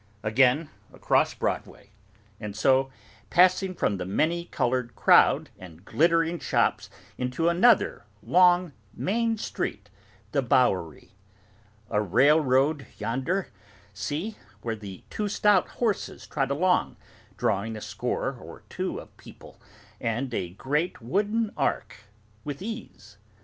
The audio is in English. Again across Broadway, and so—passing from the many coloured crowd and glittering shops—into another long main street, the Bowery. A railroad yonder, see, where two stout horses trot along, drawing a score or two of people and a great wooden ark, with ease.